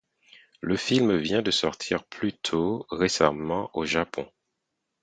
Le film vient de sortir plutôt récemment au Japon.